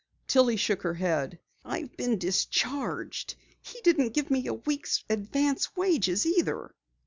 Tillie shook her head. "I've been discharged. He didn't give me a week's advance wages either."